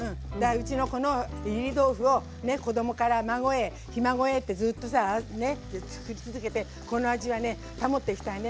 うちのこのいり豆腐を子どもから孫へひ孫へってずっとさね作り続けてこの味はね保っていきたいね。